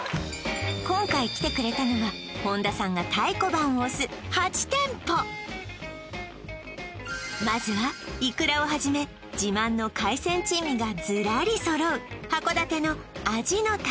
今回来てくれたのは本田さんが太鼓判を押す８店舗まずはイクラをはじめ自慢の海鮮珍味がずらり揃う函館の味の匠